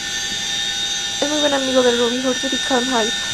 Es muy buen amigo de Robbie Hunter y Kim Hyde.